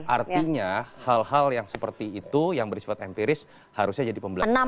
artinya hal hal yang seperti itu yang bersifat empiris harusnya jadi pembelajaran